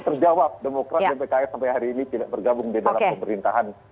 terjawab demokrat dan pks sampai hari ini tidak bergabung di dalam pemerintahan